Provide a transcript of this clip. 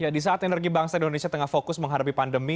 di saat energi bangsa indonesia tengah fokus menghadapi pandemi